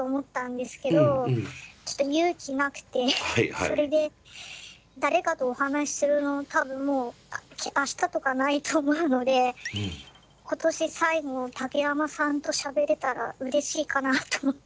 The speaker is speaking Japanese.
それで誰かとお話しするの多分もう明日とかないと思うので今年最後を竹山さんとしゃべれたらうれしいかなと思って。